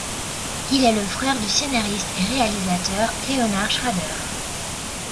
Il est le frère du scénariste et réalisateur Leonard Schrader.